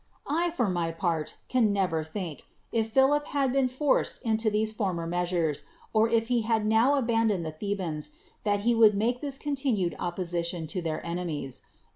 I, for my part, can never think, if Philip had been forced into those former measures, or if he had now abandoned the The bans, that he would make this continued oppo sition to their enemies.